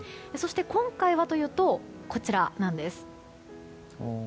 そして今回はこちらなんです。